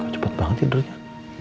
kau cepet banget tidurnya